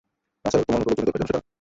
নাসার তোমার মতো লোকজনই দরকার, জানো সেটা?